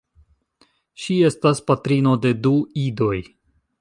Ŝi estas patrino de du idoj.